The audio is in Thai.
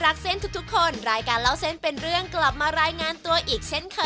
โอ้โคคุณกะแฟงแสงแล้วด่ำมาแล้วนี่